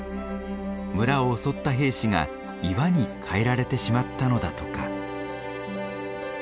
村を襲った兵士が岩に変えられてしまったのだとか。